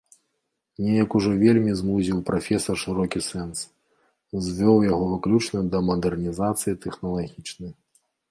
Неяк ужо вельмі звузіў прафесар шырокі сэнс, звёў яго выключна да мадэрнізацыі тэхналагічнай.